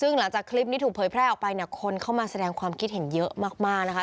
ซึ่งหลังจากคลิปนี้ถูกเผยแพร่ออกไปเนี่ยคนเข้ามาแสดงความคิดเห็นเยอะมากนะคะ